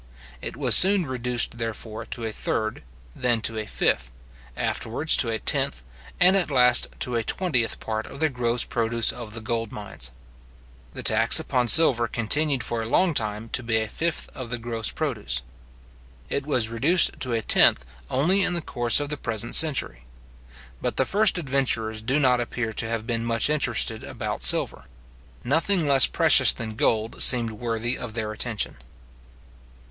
It was soon reduced, therefore, to a third; then to a fifth; afterwards to a tenth; and at last to a twentieth part of the gross produce of the gold mines. The tax upon silver continued for a long time to be a fifth of the gross produce. It was reduced to a tenth only in the course of the present century. But the first adventurers do not appear to have been much interested about silver. Nothing less precious than gold seemed worthy of their attention.